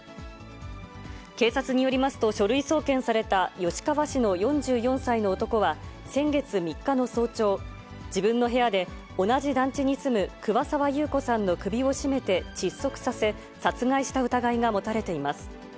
警察によりますと、書類送検された吉川市の４４歳の男は、先月３日の早朝、自分の部屋で同じ団地に住む桑沢優子さんの首を絞めて、窒息させ、殺害した疑いが持たれています。